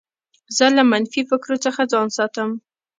زه له منفي فکرو څخه ځان ساتم.